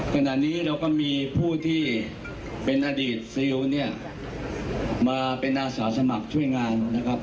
ขณะนี้เราก็มีผู้ที่เป็นอดีตซิลเนี่ยมาเป็นอาสาสมัครช่วยงานนะครับ